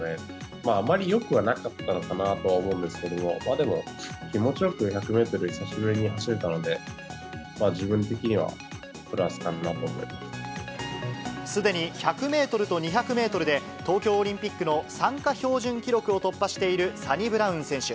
まあ、あまりよくはなかったのかなとは思うんですけれども、でも、気持ちよく１００メートルを久しぶりに走れたので、自分的にはプすでに１００メートルと２００メートルで、東京オリンピックの参加標準記録を突破しているサニブラウン選手。